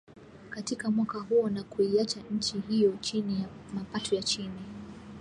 katika mwaka huo na kuiacha nchi hiyo chini ya mapato ya chini